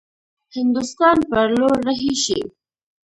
هندوستان پر لور رهي شي.